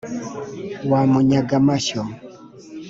wa munyaga-mashyo,